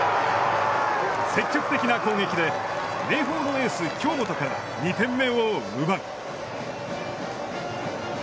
積極的な攻撃で明豊のエース京本から２点目を奪う。